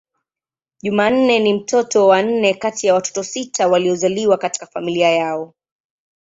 Jumanne ni mtoto wa nne kati ya watoto sita waliozaliwa katika familia yao.